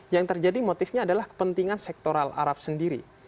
yang terjadi motifnya adalah kepentingan sektoral arab sendiri